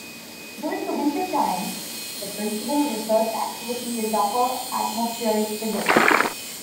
During the winter time, the principal research activity is Upper Atmospheric Physics.